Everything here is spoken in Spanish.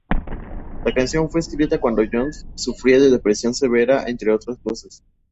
La canción fue escrita cuando Johns sufría de depresión severa entre otras cosas.